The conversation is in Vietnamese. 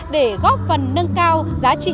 để góp phần nâng cao giá trị